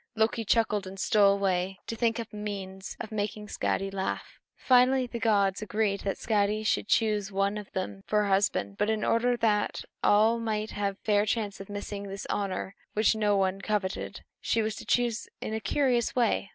Loki chuckled and stole away to think up a means of making Skadi laugh. Finally, the gods agreed that Skadi should choose one of them for her husband; but in order that all might have a fair chance of missing this honor which no one coveted, she was to choose in a curious way.